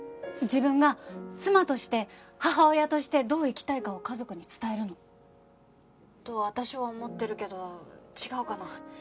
自分が妻として母親としてどう生きたいかを家族に伝えるの。と私は思ってるけど違うかな？